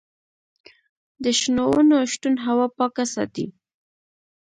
د شنو ونو شتون هوا پاکه ساتي.